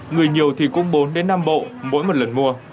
người nhiều thì cũng bốn năm bộ mỗi một lần mua